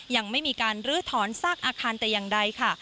ยังไม่มีการลื้อถอนซากอาคารแต่อย่างใดค่ะ